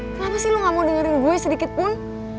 kenapa sih lo gak mau dengerin gue sedikitpun